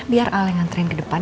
biar ala yang ngantriin ke depan